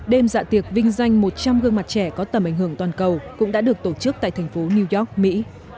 đêm dạ tiệc vinh danh một trăm linh gương mặt trẻ có tầm ảnh hưởng toàn cầu cũng đã được tổ chức tại thành phố new york mỹ